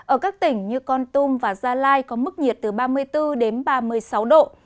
ở các tỉnh như con tum và gia lai có mức nhiệt từ ba mươi bốn đến ba mươi sáu độ